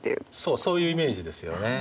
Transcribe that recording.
そういうイメージですよね。